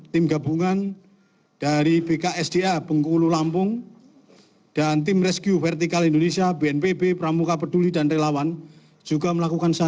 tim gabungan dari bksda bengkulu lampung dan tim rescue vertikal indonesia bnpb pramuka peduli dan relawan juga melakukan